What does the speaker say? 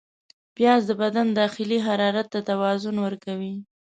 پیاز د بدن داخلي حرارت ته توازن ورکوي